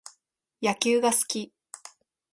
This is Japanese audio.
野球が好き